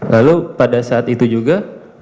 lalu pada saat itu juga